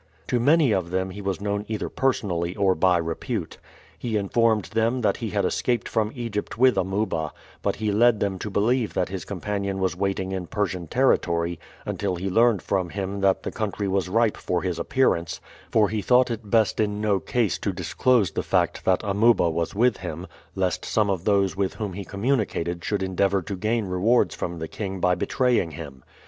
To many of them he was known either personally or by repute. He informed them that he had escaped from Egypt with Amuba, but he led them to believe that his companion was waiting in Persian territory until he learned from him that the country was ripe for his appearance; for he thought it best in no case to disclose the fact that Amuba was with him, lest some of those with whom he communicated should endeavor to gain rewards from the king by betraying him.